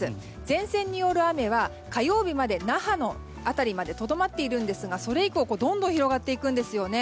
前線による雨は火曜日まで那覇の辺りまでとどまっているんですがそれ以降、どんどん広がっていくんですよね。